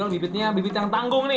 bibitnya dibagi dua